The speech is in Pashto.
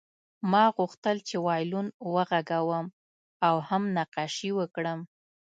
ما غوښتل هم وایلون وغږوم او هم نقاشي وکړم